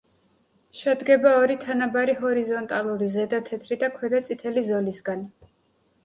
შედგება ორი თანაბარი ჰორიზონტალური, ზედა თეთრი და ქვედა წითელი ზოლისგან.